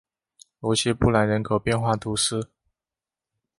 罗谢布兰人口变化图示